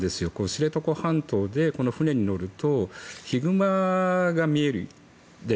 知床半島で船に乗るとヒグマが見える。